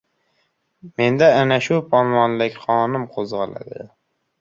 Menda ana shu polvonlik qonim qo‘zg‘aldi.